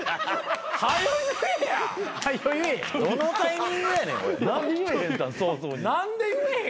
どのタイミングやねん。